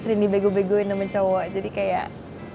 sering di bego begoin sama cowok jadi kayak